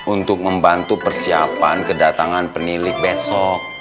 untuk membantu persiapan kedatangan penilik besok